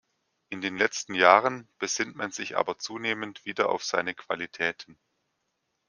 In den letzten Jahren besinnt man sich aber zunehmend wieder auf seine Qualitäten.